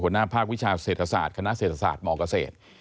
หน้าภาควิชาเศรษฐศาสตร์คณะเศรษฐศาสตร์มเกษตร